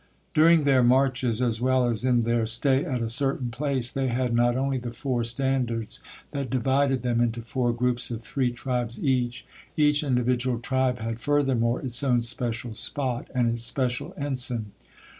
During their marches, as well as in their stay at a certain place, they had not only the four standards that divided them into four groups of three tribes each, each individual tribe had furthermore its own special spot and its special ensign.